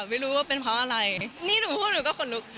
ไม่รู้ว่าเป็นเพราะอะไรนี่หนูพวกหนูก็ขนลุก